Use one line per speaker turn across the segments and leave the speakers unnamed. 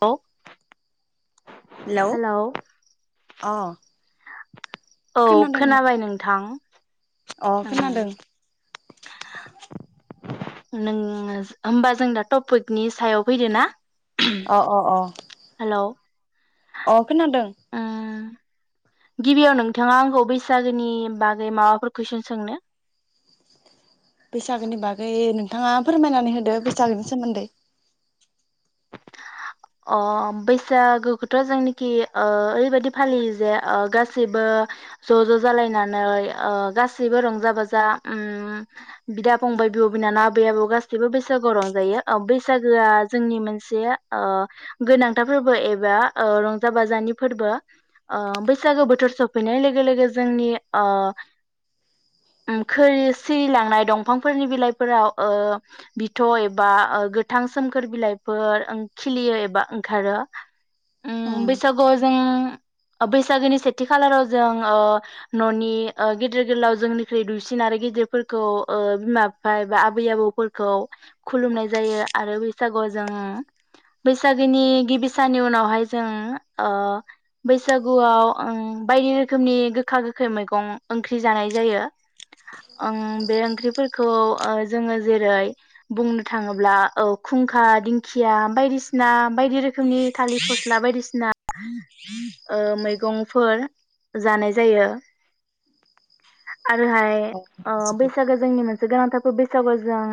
औ हेलौ
अ
औ
खोनादोंना
खोनाबाय नोंथां
अ खोनादों
नों होमबा जों दा टपिकनि सायाव फैदो ना
अ अ अ
हेलौ
अ खोनादों
उम गिबियाव नोंथाङा आंखौ बैसागोनि बागै माबाफोर कुइसन सोंनो
बैसागोनि बागै नोंथाङा फोरमायनानै होदो बैसागोनि सोमोन्दै।
अ बैसागोखौथ' जोंनिखि ओरैबायाददि फालियो जे गासैबो ज' ज' जालायनानै गासैबो रंजा बाजा बिदा फंबाय बिब' बिनानाव आबै आबौ गासैबो बैसागोआव रंजायो बैसागोआ जोंनि मोनसे गोनांथार फोरबो एबा रंजा बाजानि फोरबो बैसागो बोथोर सफैनाय लोगो लोगो जोंनि सिरिलांनाय दंफांफोरनि बिलाइफोराव बिथ' एबा गोथां सोमखोर बिलाइफोर खिलियो एबा ओंखारो
अ
उम बैसागो जों बैसागोनि सेथि खालाराव जों न'नि गेदेर गोलाव जोंनिख्रुइ दुइसिन आरो गिदिरफोरखौ बिमा बिफा एबा आबै आबौफोरखौ खुलुमनाय जायो आरो बैसागुआव जों बैसागोनि गिबि सानि उनावहाय जों बैसागुआव बायदि रोखोमनि गोखा गोखै मैगं ओंख्रि जानाय जायो। बे ओंख्रिफोरखौ जोङो जेरै बुंनो थाङोब्ला खुंखा दिंखिया बायदिसिना बायसिना बायदि रोखोमनि थालिर फस्ला बायदिसिना मैगंफोर जानाय जायो आरोहाय
औ बुजिदों
बैसागो जोंनि मोनसे गोनांथारफोर बैसागो जों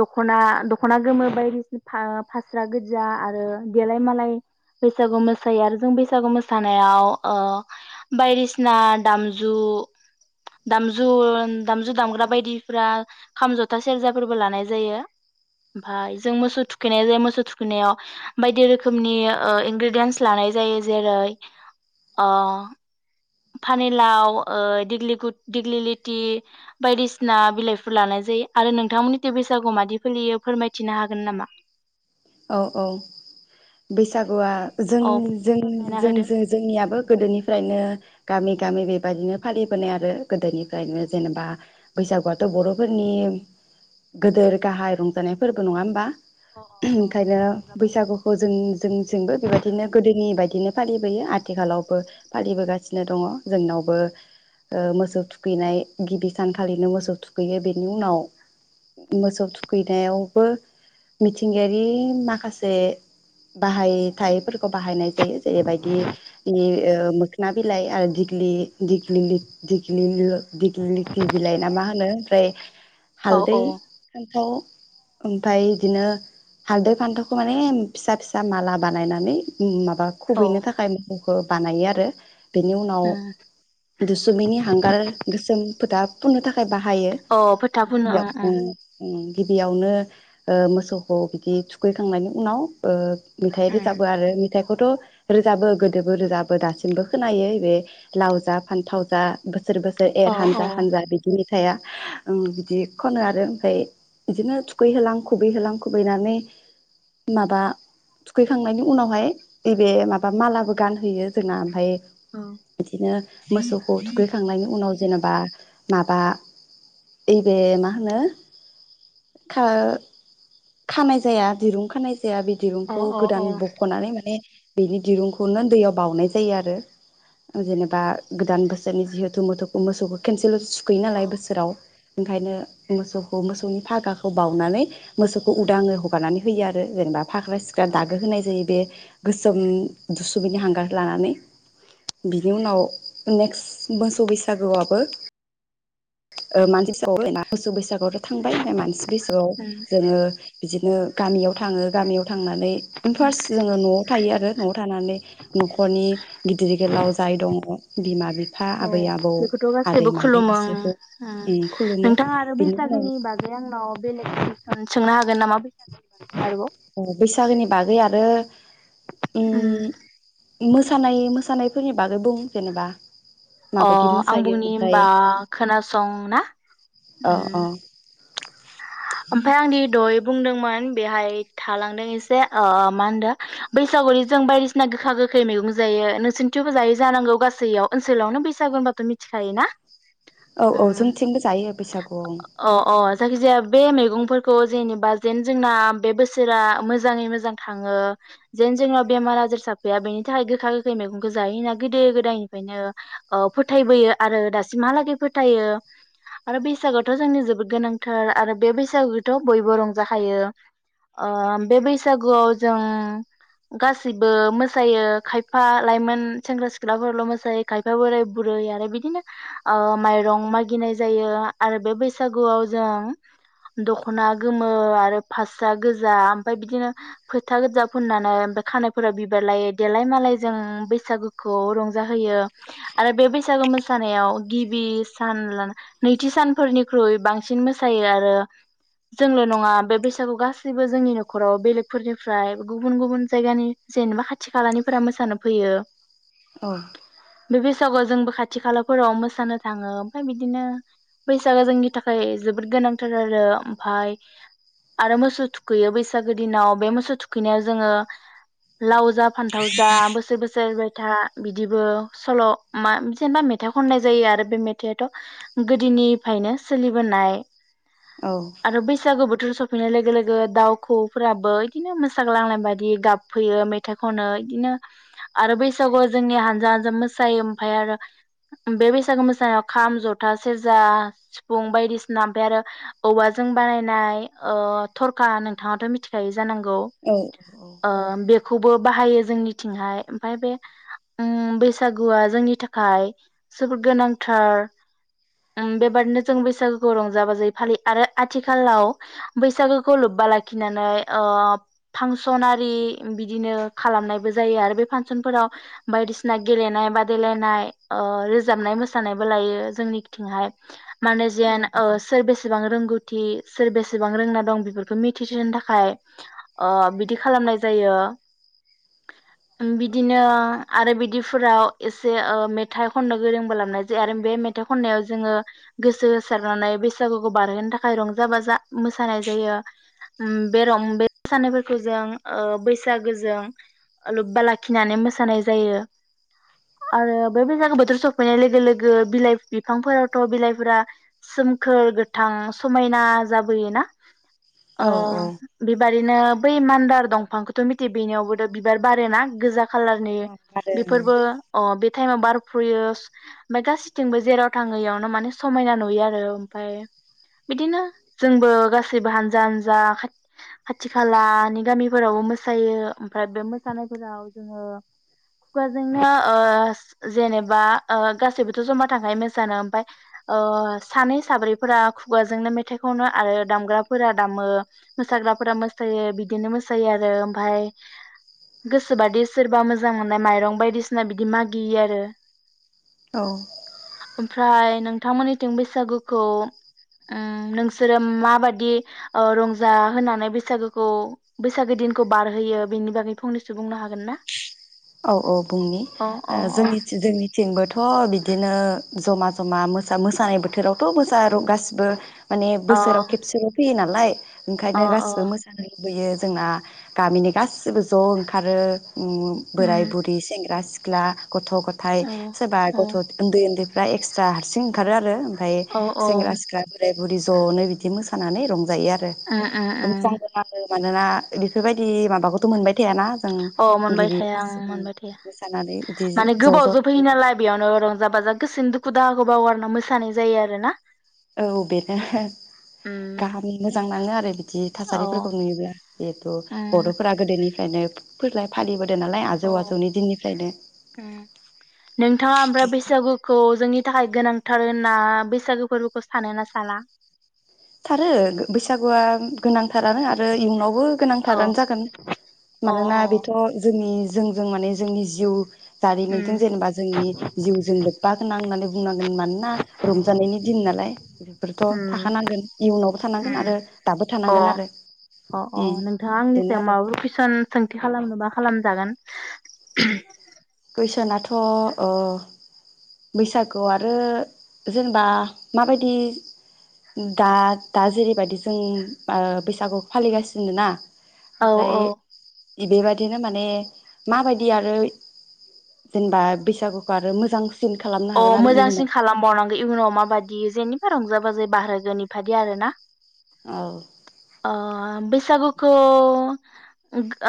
दखना दख'ना गोमो बायदिसिना फास्रा गोजा आरो देलाय मालाय बैसागु मोसायो आरो जों बैसागु मोसानायाव बायदिसिना दामजु दामजु दामजु दामग्रा बायदिफ खाम जथा सेरजाफोरबो लानाय जायो। ओमफाय जों मोसौ थुखै थुखैनाय जायो मोसौ थुखैनायाव बायदि रोखोमनि इनग्रेडियन्स लानाय जायो। जेरै फानिलावग दिग्लि लथि बायदिसिना बिलाइफोर लानाय जायो आरो नोंथांमोननि बैसागु माददि फोलियो फोरमायथिनो हागोन नामा?
औ औ बैसागुआ जों
औ
जों
फोरमायना होदो।
जों जोंनियाबो गोदोनिफ्रायनो गामि गामि बेबायदिनो फालिबोनाय आरो गोदोनिफ्रायनो जेनेबा बैसागुआथ' बर'फोरनि गोदोर गाहाय रंजानाय फोरबो नङा होमबा?
अ अ अ
ओंखायनो
रंजा बाजानो
बैसागुखौ जों जोंथिंबो बेबायदिनो गोदोनि बायदि बिदिनो फालिबोयो आथिखालावबो फालिबोगासिनो दङ जोंनावबो मोसौ थुखैनाय गिबि सानखालिनो मोसौ थुखैयो बेनि उनाव मोसौ थुखैनायावबो मिथिंगायारि माखासे बाहायथायैफोरखौ बाहायनाय जैबायदि मोखोना बिलाइ [unintelligible] दिगलिथि बिलाइ ना मा होनो ओमफ्राय
औ
हालदै
औ
खान्थाव ओमफफ्राय बिदिनो हालदै फान्थावखौ माने फिसा फिसा माला बानायनानै मा बा
औ
खुबैनो थाखाय बानायो आरो बेनि उनाव
उम
दुसुमैनि हांगार गोसोम फोथाब बुंनो था खाय बाहायो
औ फोथा फुनो
बिदियाव उम उम गिबियावनो ओ मोसौ खौ बिदि थुखैखांनायनि उनाव ओ मेथाइ रोजाबो आरो मेथाइखौथ' रोजाबो गोदोबो रोजाबो दासिमबो खोनायो बे लाव जा फान्थाव जा बो सोर बोसोर एर
ओं
हानजा
ओं
हानजा बिदि मेथाइ थाया बिदि खनो आरो ओमफ्राय बिदिनो थुखैहोलां खुबै होलां खुबैनानै माबा थुखैखांनायनि उनावहाय नैबे माबा मालाबो गानहोयो जोंना ओमफ्राय
उम
बिदिनो मोसौखौ थुखैखांनायनि उनाव जेनेबा माबा इबे मा होनो खानाय जाया दिरुं खानाय जाया बि
औ
दिरुंखौ
औ
गोदान
औ
बख'नानै माने बेनि दिरुंखौनो दैयाव बाउनाय जायो आरो जेनेबा गोदान बोसोरनि जिहेथु मोथौखौ मोसौखौ केनसेलस खैयो
औ
नालाय बोसोराव ओंखायनो मोसौखौ मोसौनि फागाखौ बावनानै मोसौ उ उदाङै हगारनानै होयो आरो जेनेबा फाग्रा सिख्रा दागो होनाय जायो बे गोसोम दुसुबैनि हांगारखौ लानानै बिनि उनाव नेक्स मोसौ बैसागुआबो ओ [unintelligible] मोसौ बैसागु आथ ' थांबाय ओमफ्राय मानसि बैसोआव
उम
जोङो बिदिनो गामियाव थाङो गामियाव थांनानै फार्स्ट जोङो न'आव थायो आरो न'आव थानानै न'खरनि गिदिर गोलाव जाय दङ बिमा बि
औ बेखौथ' गासैबो खुलुमो ओं
बिसोरखौ
उम
खुलुमो
नोंथाङा आरो
बिनि उनाव
बैसागोनि बागै आंनाव बेलेग खुइसन सोंनो हागोन नामा बेैसागुनि बागै आरोबाव
अ बैसागोनि बागै आरो उम मोसानाय मोसानाय फोरनि बागै बुं जेनेबा
अ
माबायदि
आं
मोसायो
बुंनि
ओमफ्राय
होमबा खोनासं ना
अ
उम
अ
ओमफ्राय आं दि दहोय बुंदोंमोन बेहाय थालांदों एसे ओ मा होनदों बैसागुआवदि जों बायदिसिना गोखा गोखै मैगं जायो नोंसोरनिथिंबो जायो जानांगौ गासैयाव ओनसोलावनो बैसागु होनबाथ' मिथिखायो ना?
औ औ जोंथिंबो जायो बैसागु उम
अ अ जायखिजाया बे मैगंफोरखौ जेनेबा जेन जोंना बे बोसोरा मोजाङै मोजां थाङो जेन जोंनाव बेमार आजार साबफैया बेनि थाखाय गोखा गोखै मैगंखौ जाहैना गोदो गोदायनिफ्रायनो औ फोथायबोयो आरो दासिमहालागै फोथायो आरो बैसागुआथ' जोंनि जोबोद गोनांथार आरो बे बैसागुथ' बयबो रंजाखायो ओ बे बैसागुआव जों गासैबो मोसायो खायफा लाइमोन सेंग्रा सिख्लाफोरल' मोसायो खायफा बोराय बुरै आरो बिदिनो ओ माइरं मागिनाय जायो आरो बे बैसागुआव जों दखना गोमो आरो फास्रा गोजा ओमफाय बिदिनो फोथा गोजा फोननानै ओमफ्राय खानायफोराव बिबार लायो देलाय मालाय जों बैसागुखौ रंजाहोयो आरो बे बैसागो मोसानायाव गिबि सान नैथि सानफोरनिख्रुइ बांसिन मोसा सायो आरो जोंल' नङा बे बैसागु गासैबो जोंनि न'खराव बेलेगफोरनिफ्राय गुबुन गुबुन जायगानि जेनेबा खाथि खालानिफोरा मोसानो फैयो
औ
बे बैसागुआव जोंबो खाथि खालाफोराव मोसानो थाङो ओमफ्राय बिदिनो बैसागो जोंनि थाखाय जोबोद गोनांथार आरो ओमफाय आरो मोसौ थुखैयो बैसागो दिनाव बे मोसौ थुखैनायाव जोङो लाव जा फान्थाव जा बोसोर बोसोर एरबायथा बिदिबो सल' मा जेनेबा मेथाइ खननाय जायो आरो बे मेथाइआथ' गोदोनिफ्रायनो सोलिबोनाय।
औ
आरो बैसागु बो थु सफैनाय लोगो लोगो दाउ खौवौफोराबो इदिनो मोसाग्लांनाय बायदि गाबफैयो मेथाइ खनो इदिनो आरो बैसागुआव जोंनि हानजा हानजा मोसायो ओमफाय आरो बे बैसागु मोसानायाव खाम जथा सेरजा सिफुं बायदिसि ना ओमफाय आरो औवाजों बानायनाय ओ थरखा नोंथाङाथ' मिथिखायो ज जानांगौ
औ औ
ओ बेखौ बो बाहायो जोंनिथिंहाय ओमफाय बे बैसागुआ जोंनि थाखाय जोबोद गोनांथार बेबादिनो जों बैसागु खौ रंजा बाजायै फालियो आरो आथिखालाव बैसागोखौ लोब्बा लाखिनानै ओ फांसनारि बिदिनो खालामनायबो जायो आरो बे फांसनफोराव बायदिसिना गेलेनाय बादायलायनाय ओ रोजाबनाय मोसानायबो लायो जोंनिथिंहाय। माने जियान औ सोर बेसेबां रोंगौथि सोर बेसेबां रोंना दं बेफोरखौ मिथि होनो थाखाय ओ बिदि खालामनाय जायो बिदिनो आरो बिदिफोराव एसे ओ मेथाइ खननो गोरोंबो लबनाय जायो आरो बे मेथाइ खननायाव जोङो गोसो सारनानै बैसागुखौ बारहोनो थाखाय रंजा-बाजा मोसानाय जायो उम बे रम बे मोसानायफोरखौ जों ओ बैसागोजों लोब्बा लाखिनानै मोसानाय जायो आरो बे बैसागु बोथोर सफैनाय लोगो लोगो बिलाइ बिफांफोरावथ' बिलाइफोरा सोमखोर गोथां समायना जाबोयोना?
औ
अ बिबा [unintelligible] बै मान्दार दंफांखौथ' मिथियो बेनियावबोथ' बिबार बारोना गोजा खाालारनि बेफोरो
औ
अ बे टाइमाव बारफुयो ओमफ्राय गासैथिंबो जेराव थाङो इयावनो माने समायना नुयो आरो। आरो ओमफ्राय बिदिनो जोंबो गासैबो हानजा हानजा खाथ खाथि खालानि गामिफोरावबो मोसायो ओमफ्राय बे मोसानायफोराव जोङो खुगाजोंनो ओ जेनेबा ओ गासैबोथ' जमा थायो मोसानो ओमफ्राय ओ सानै साब्रैफोरा खुगाजोंनो मेथाइ खनो आरो दामग्राफोरा दामो मोसाग्राफोरा मोसायो बिदिनो मोसायो आरो ओमफाय गोसोबादि सोरबा मोजां मोननाय माइरं बायदिसिना बिदि मागियो आरो।
औ।
फ्राय नोंथांमोननिथिं बे सागुखौ ओम नोंसोरो माबादि ओ रंजा होनानै बैसागुखौ बैसागो दिनखौ बारहोयो बेनि बागै फंनैसो बुंनो हागोन ना?
औ औ बुंनि
अ
ओ
अ अ
जोंनिथि जोंनि थिंबोथ' बिदिनो जमा जमाो मोसानाय बोथोरावथ' मोसा गासिबो माने
अ
बोसोराव खेबसेल' फैयो ना लाय।
अ
ओंखायनो गासिबो
अ
मोसानाय बोयो जोंना गामिनि गासिबो ज' ओंखारो उम
उम
बोराय बुरै सेंग्रा सि ख्ला गथ' गथाय
औ
सोरबा
औ
गथ' ओन्दै ओन्दै दा एक्सट्रा हारसिं ओंखारो आरो। ओमफाय
औ औ
सेंग्रा सिख्ला बोराय बुरि ज'नो बिदि मोसानानै रंज जायो आरो
उम उम उम
[unintelligible] मानोना बेफोरबायदि माबाखौथ' मोनबाय थायाना जों
औ
गिबि
मोनबाय थाया
मोसानानै बिदि
माने
ज'
गोबाव
ज' थांनो
जोबफैयो नालाय बेयावनो रंजा बाजा गोसोनि दुखु दाहाखौ बावगारनो मोसानाय जायो आरो ना
औ बेनो
उम
गाहामनि मोजां नाङो आरो बिदि
औ
थासारिफोरखौ नुयोब्ला जिहेथु
उम
बर'फोरा गोदोनि फ्रायनो बोरलाय फालिबो
अ उम नोंथाङा ओमफ्राय बैसागुखौ जोंनि थाखाय गोनांथार होनना बैसागो फोरबोखौ सानो ना साना
थारो बैसागुआ गोनांथारानो आरो इयुनाव न'आवबो
औ
गोनांथारानो जागोन
अ
मानोना जोंनि जोंजों माने जोंनि जिउ
उम
जारिमिनजों जेनेबा जोंनि जिउजों लोब्बा गोनां होननानै बुंनांगोन मानोना रंजानायनि दिन नालाय बेफोरथ' थाखानांगोन इयुनावबो थानांगोन आरो दाबो
ओम
थानांगोन आरो
अ अ अ
उम
नोंथाङा आंनि
बेनो
सायाव
आरो
माबाफोर कुइसन सोंथि खालामनोबा खालामजागोन
कुइसनाथ' अ बैसागुआव आरो जेनेबा माबायदि दा दा जेरैबायदि जों ओ बैसागु फालिगासिनो ना
औ
आमफ्राय
औ
इदिबादिनो माने माबायदि आरो जेनेबा बैसागुखौ आरो मोजां
अ मोजांसिन खालामबावनांगौ इयुनाव माबायदि जेने रंजा बाजै बाहहागोनि फादि आरो ना
औ
बैसागुखौ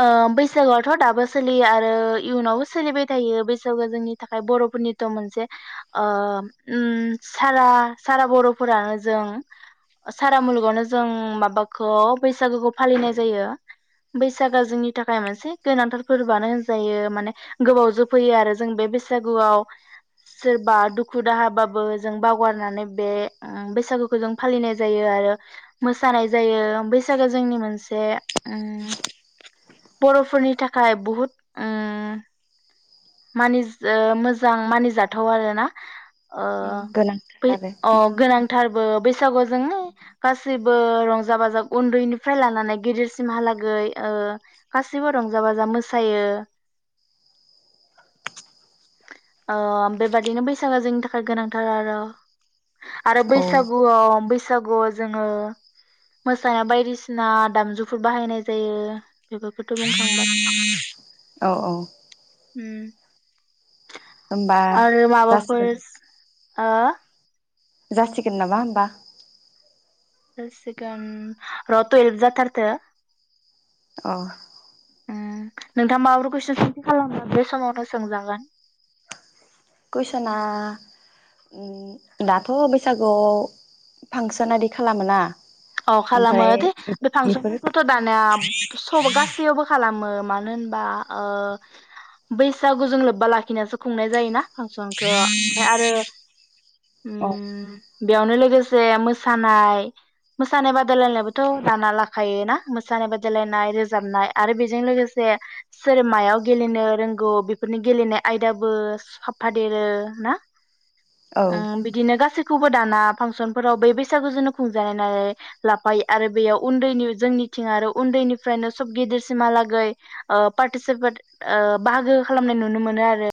ओ बैसागुआथ' दाबो सोलियो आरो इयुनावबो सोलिबाय थायो बैसागुआ जोंनि थाखाय बर'फोरनिथ' मोनसे अ ओम सारा सारा बर'फोरानो जों सारा मुलुगावनो जों माबाखौ बैसागुखौ फालिनाय जायो बैसागोआ जोंनि थाखाय मोनसे गोनांथार फोरबोआनो होनजायो माने गोबावजो फैयो आरो जों बे बैसागुआव सोरबा दुखु दाहाबाबो जों बावगारनानै बे बैसागोखौ जों फालिनाय जायो आरो मोसानाय जायो बैसागोआ जोंनि मोनसे ओम बर'फोरनि थाखाय बहुत ओम मानि मोजां मानिजाथ थाव आरो ना अ बै
गोनांथार आरो
ओ गोनांथारबो बैस बैसागुआव जोङो गासैब बो रंजा बाजा उन्दैनिफ्राय लानानै गिदिरसिमहालागै ओ गासिबो रंजा बाजा मोसायो ओ बेबादिनो बैसागोआ जोंनि थाखाय गोनांथार आरो आरो
औ
बैसागुआव बैस सागुआव जोङो मोसानाय बायदिसिना दामजुफोर बाहायनाय जायो बेफोरखौथ' बुंखांबाय
औ औ होमबा
उम आरो माबाफोर
जासिगोन
हो?
जासिगोन नामा होनबा?
जासिगोन र थुयेप जाथारथो
औ
ओम नोंथाङा माबाफोर कुइसन सोंथि खालामगोन बे समावनो सोंजागोन।
कुइसना दाथ' बैसागुआव फांसन आरि खालामो ना?
औ खालामो दे बे फांसनफोरखौथ' दानिया सब गासैयावबो खालामो मा मानो होनबा ओ बैसागुजों लोब्बा लाखिनासो खुंनाय जायोना। फांसनखौ ओमफाय आरो उम
अ
बेयावनो लोगोसे मोसानाय मोसानाय बादायलायनायाबोथ' दाना लाखायो ना मोसानाय बादायलायनाय रोजाबनाय आरो बेजों लोगोसे सोर मायाव गेलेनो रोंगौ बेफोरनि गेलेनाय आयदाबो साफादेरो ना?
औ
ओ बिदिनो गासै खौबो दाना फांसनफोराव बै बैसागुजोंनो खुंजानाय नार लाफायो आरो बेयाव उन्दैनि जोंनिथिं आरो उन्दैनिफ्रायनो सब गिदिरसिमहालागै ओ पार्टिसिपेट ओ बाहागो खालामनाय नुनो मोनो आरो